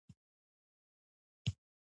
طبیعي رنګونه شته.